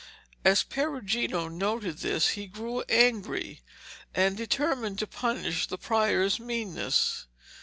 As Perugino noted this, he grew angry and determined to punish the prior's meanness.